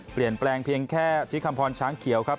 เปลี่ยนแปลงเพียงแค่ที่คำพรช้างเขียวครับ